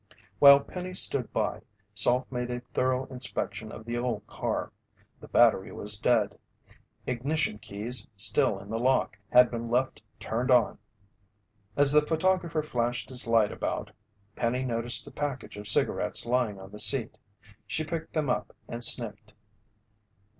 While Penny stood by, Salt made a thorough inspection of the old car. The battery was dead. Ignition keys, still in the lock, had been left turned on. As the photographer flashed his light about, Penny noticed a package of cigarettes lying on the seat. She picked them up and sniffed.